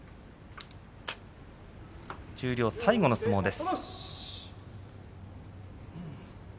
十両、最後の相撲です。